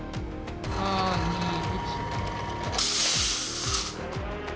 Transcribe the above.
３２１。